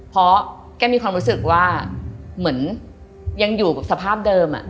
เพราะแกมีความรู้สึกว่าเหมือนยังอยู่กับสภาพเดิม